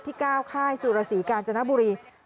ที่๙ค่ายสุรษีกาลจนบุรี